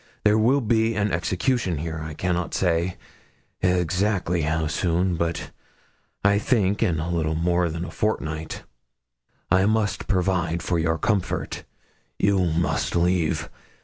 There will be an execution here, I cannot say exactly how soon, but, I think, in a little more than a fortnight. I must provide for your comfort. You must leave.